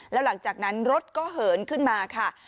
แล้วหลังจากนั้นรถก็เหินขึ้นมาค่ะ